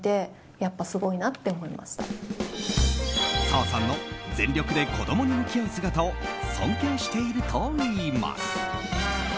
澤さんの全力で子供に向き合う姿を尊敬してるといいます。